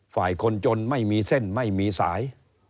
คนจนไม่มีเส้นไม่มีสาย